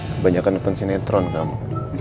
kebanyakan nonton sinetron kamu